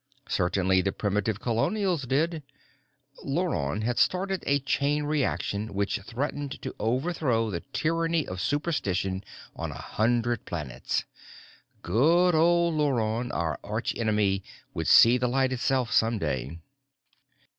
Certainly the primitive colonials did. Luron had started a chain reaction which threatened to overthrow the tyranny of superstition on a hundred planets. Good old Luron, our arch enemy, would see the light itself some day.